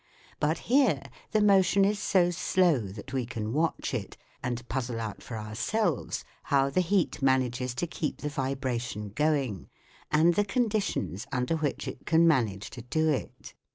But here the motion is so slow that we can watch it, and puzzle out for ourselves how the heat manages to keep the vibration going, and the conditions under which it can manage to do it.